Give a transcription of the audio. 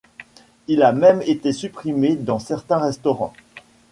Il a même été supprimé dans certains restaurants.